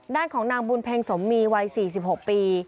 ด้านของนางบุญเพ็งสมมีวัย๔๖ปี